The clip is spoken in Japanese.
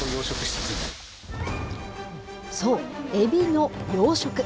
そう、エビの養殖。